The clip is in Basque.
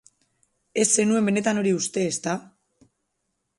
Ez zenuen benetan hori uste, ezta?